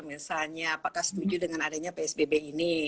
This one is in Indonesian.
misalnya apakah setuju dengan adanya psbb ini